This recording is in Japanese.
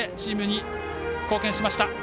守備でチームに貢献しました。